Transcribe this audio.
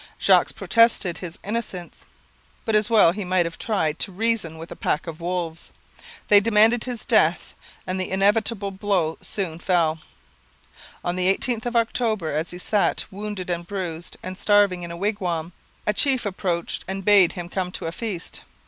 Jogues protested his innocence; but as well might he have tried to reason with a pack of wolves. They demanded his death, and the inevitable blow soon fell. On the 18th of October, as he sat wounded and bruised and starving in a wigwam, a chief approached and bade him come to a feast.